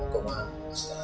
công an đã